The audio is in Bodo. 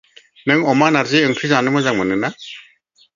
नों अमा-नारजि ओंख्रि जानो मोजां मोनो ना?